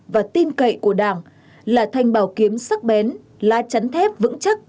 và tin cậy của đảng là thanh bảo kiếm sắc bén lá chắn thép vững chắc